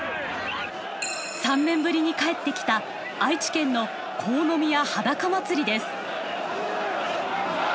３年ぶりに帰って来た愛知県の国府宮はだか祭です。